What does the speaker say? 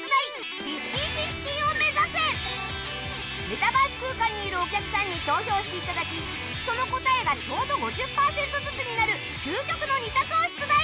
メタバース空間にいるお客さんに投票して頂きその答えがちょうど５０パーセントずつになる究極の２択を出題